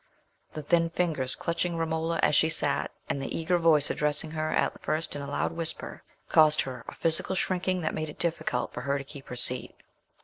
The thin fingers clutching Romola as she sat, and the eager voice addressing her at first in a loud whisper, caused her a physical shrinking that made it difficult for her to keep her seat.